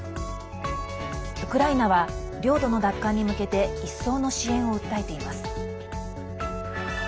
ウクライナは領土の奪還に向けて一層の支援を訴えています。